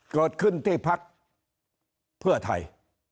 เกิดขึ้นที่พักเพื่อไทย